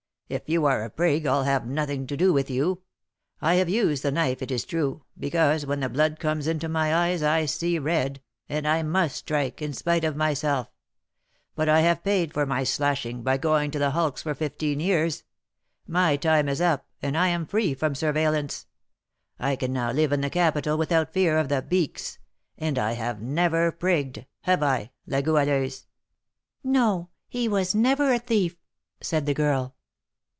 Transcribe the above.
If you are a 'prig' I'll have nothing to do with you. I have used the knife, it is true, because, when the blood comes into my eyes, I see red, and I must strike, in spite of myself; but I have paid for my slashing, by going to the hulks for fifteen years. My time is up, and I am free from surveillance. I can now live in the capital, without fear of the 'beaks;' and I have never prigged, have I, La Goualeuse?" "No, he was never a thief," said the girl.